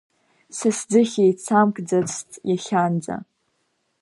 Са сӡыхь еицамкӡац иахьанӡа…